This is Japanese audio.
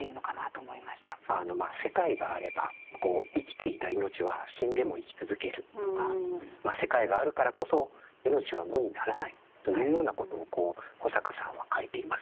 世界があれば生きていた命は死んでも生きつづけるとか世界があるからこそ命は無にならないというようなことを保坂さんは書いています。